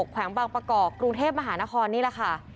แขวงบางประกอบกรุงเทพมหานครนี่แหละค่ะ